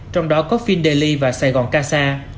trong đó có phindeli và sài gòn casa